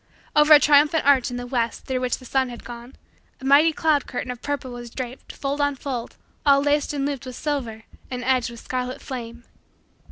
Over a triumphant arch in the west, through which the sun had gone, a mighty cloud curtain of purple was draped, fold on fold, all laced and looped with silver and edged with scarlet flame.